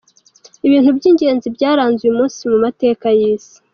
Ibintu by’igenzi byaranze uyu munsi mu mateka y’isi:.